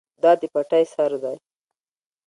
دا د پټی سر دی.